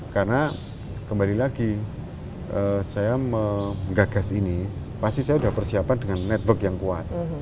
karena kembali lagi saya menggagas ini pasti saya sudah persiapan dengan network yang kuat